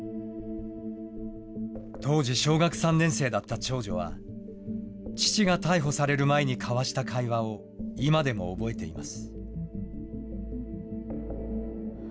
当時小学３年生だった長女は、父が逮捕される前に交わした会話を、今でも覚えています。